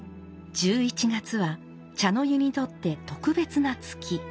１１月は茶の湯にとって特別な月。